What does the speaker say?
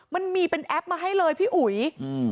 มันมีเป็นแอปมาให้เลยพี่อุ๋ยอืม